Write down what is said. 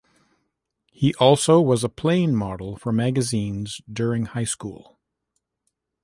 He also was a plane model for magazines during high school.